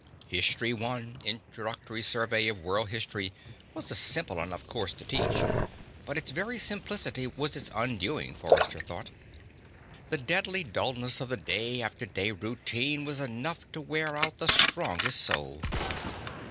History I, Introductory Survey of World History, was a simple enough course to teach, but its very simplicity was its undoing, Forrester thought. The deadly dullness of the day after day routine was enough to wear out the strongest soul.